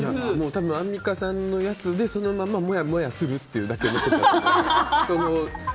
多分、アンミカさんのやつでそのままもやもやするってだけやと思う。